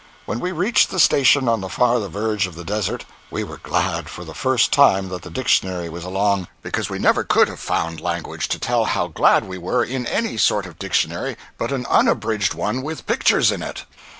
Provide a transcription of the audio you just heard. When we reached the station on the farther verge of the desert, we were glad, for the first time, that the dictionary was along, because we never could have found language to tell how glad we were, in any sort of dictionary but an unabridged one with pictures in it.